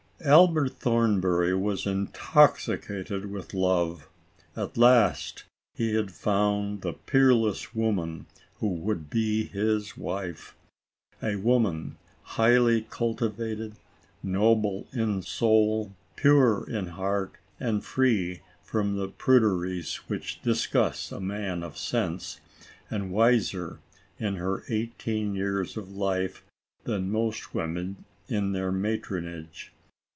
Albert Thornbury was intoxicated with love. At last he had found the peerless woman, who would be his wife. A woman highly cultivated, noble in soul, pure in heart, and free from the pruderies which disgust a man of sense, and wiser, in her eighteen years of life than most women in their matronage.